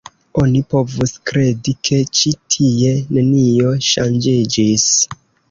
Oni povus kredi, ke ĉi tie nenio ŝanĝiĝis.